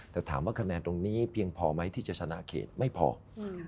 แต่ถามว่าคะแนนตรงนี้เพียงพอไหมที่จะชนะเขตไม่พอ